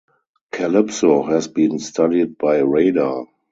Kalypso has been studied by radar.